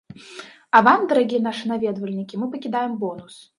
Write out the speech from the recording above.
А вам, дарагія нашы наведвальнікі, мы пакідаем бонус!